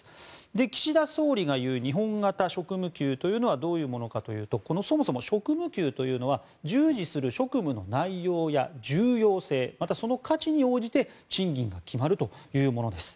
岸田総理が言う日本型職務給というのはどういうものかというとそもそも職務給というのは従事する職務の内容や重要性またはその価値に応じて賃金が決まるというものです。